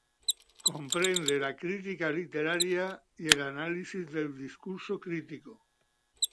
Comprende la crítica literaria y el análisis del discurso crítico.